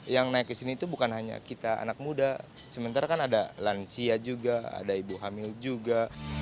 yang naik ke sini itu bukan hanya kita anak muda sementara kan ada lansia juga ada ibu hamil juga